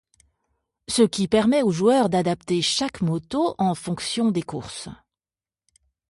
Ce qui permet au joueur d'adapter chaque moto en fonction des courses.